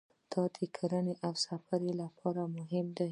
دا د کرنې او سفر لپاره مهم دی.